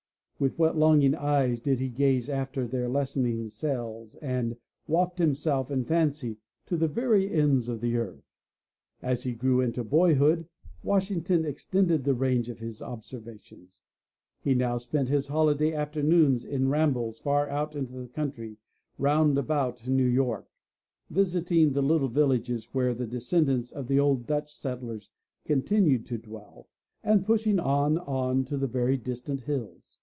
With what longing eyes did he gaze after their lessening sails and waft himself in fancy to the very ends of the earth. As he grew into boyhood, Washington extended the range of his observations. He now spent his holiday afternoons in rambles far out into the country round about New York, visiting the little villages where the descendants of the old Dutch settlers continued to dwell, and pushing on, on to the very distant hills.